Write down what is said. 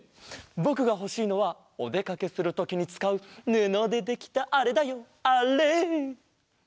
ぼくがほしいのはおでかけするときにつかうぬのでできたあれだよあれ。